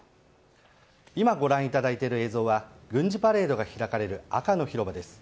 今ご覧いただいている映像は軍事パレードが開かれる赤の広場です。